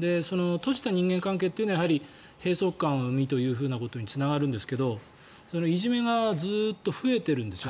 閉じた人間関係というのは閉塞感を生みということにつながるんですけどいじめがずっと増えているんですよね。